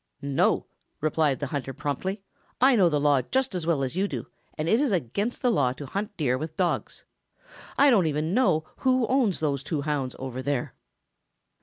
"No," replied the hunter promptly. "I know the law just as well as you do, and it is against the law to hunt Deer with dogs. I don't even know who owns those two hounds over there."